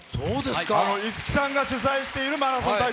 五木さんが主催してらっしゃるマラソン。